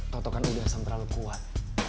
totokan udarsam terlalu kuat